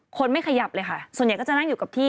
คนไม่ขยับเลยค่ะส่วนใหญ่ก็จะนั่งอยู่กับที่